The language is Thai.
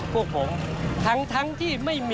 ส่วนต่างกระโบนการ